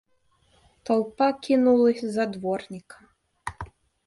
Толпа кинулась за дворником.